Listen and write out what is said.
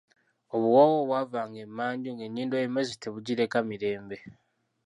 Obuwoowo obw'ava nga emanju ng'ennyindo y'emmesse tebugireka mirembe!